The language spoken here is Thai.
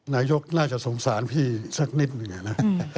นายกน่าจะสงสารพี่สักนิดหนึ่งนะ